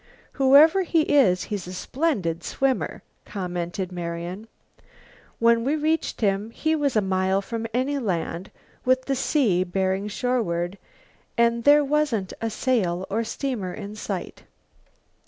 "Whoever he is, he's a splendid swimmer," commented Marian. "When we reached him he was a mile from any land, with the sea bearing shoreward, and there wasn't a sail or steamer in sight."